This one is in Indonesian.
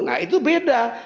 nah itu beda